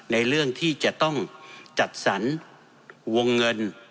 ในเรื่องที่จะต้องจัดสรรวงเงิน